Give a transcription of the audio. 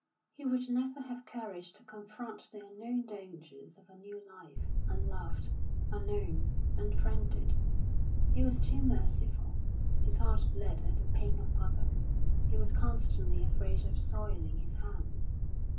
He would never have courage to confront the unknown dangers of a new life, unloved, unknown, unfriended. He was too merciful; his heart bled at the pain of others, he was constantly afraid of soiling his hands.